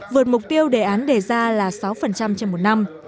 vượt mục tiêu đề án đề ra là sáu trên một năm